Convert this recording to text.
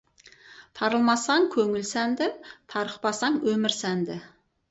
Тарылмасаң, көңіл сәнді, тарықпасаң, өмір сәнді.